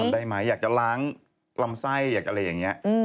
จะทำได้ไหมอยากจะล้างกลำไส้อยากจะอะไรอย่างเงี้ย